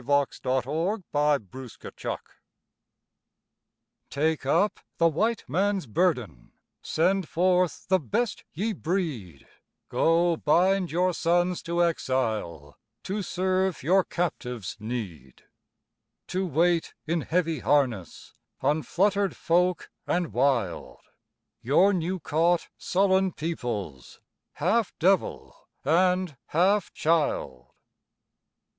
VII THE WHITE MAN'S BURDEN 1899 Take up the White Man's burden Send forth the best ye breed Go bind your sons to exile To serve your captives' need; To wait in heavy harness, On fluttered folk and wild Your new caught, sullen peoples, Half devil and half child.